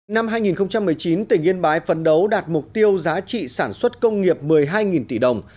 năm hai nghìn một mươi chín tỉnh yên bái phấn đấu đạt mục tiêu giá trị sản xuất công nghiệp một mươi hai tỷ đồng